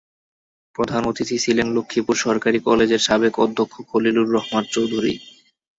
প্রধান অতিথি ছিলেন লক্ষ্মীপুর সরকারি কলেজের সাবেক অধ্যক্ষ খলিলুর রহমান চৌধুরী।